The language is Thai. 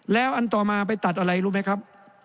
แล้วอันต่อมาไปตัดอะไรรู้ไหมครับ